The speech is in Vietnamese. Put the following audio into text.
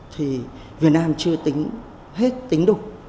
thì việt nam chưa tính hết tính đủ